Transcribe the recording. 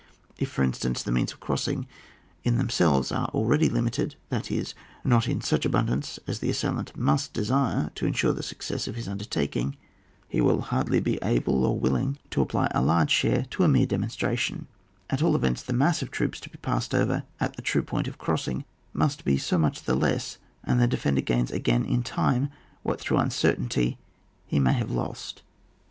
If, for instance, the means of crossing in them* selves are already limited, that is, not in such abundance as the assailant must desire to ensure the success of his under taking, he will then hardly be able or CHAP, xvni.] DEFENCE OF STREAMS AND RIVERS. 139 willing to apply a large share to a mere demonstration : at all events the mass of troops to be passed over at the true point of crossing must be so much the less, and the defender gains again in time what through uncertainty he may have lost.